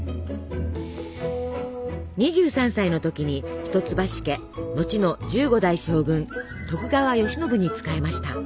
２３歳の時に一橋家のちの１５代将軍徳川慶喜に仕えました。